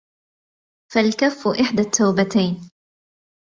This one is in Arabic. فَالْكَفُّ إحْدَى التَّوْبَتَيْنِ